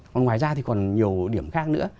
còn ngoài ra thì còn nhiều điểm khác nữa